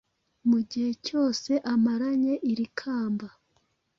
mu gihe cyose amaranye iri kamba